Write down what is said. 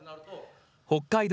北海道